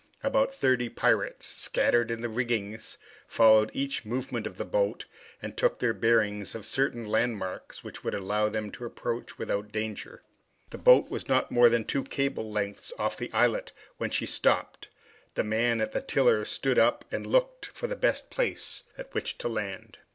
About thirty pirates, scattered in the rigging, followed every movement of the boat, and took the bearings of certain landmarks which would allow them to approach without danger. The boat was not more than two cables lengths off the islet when she stopped. The man at the tiller stood up and looked for the best place at which to land.